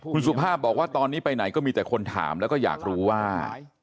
คุณสุภาพบอกว่าตอนนี้ไปไหนก็มีแต่คนถามแล้วก็อยากรู้ว่า